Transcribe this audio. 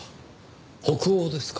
北欧ですか。